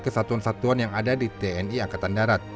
kesatuan satuan yang ada di tni angkatan darat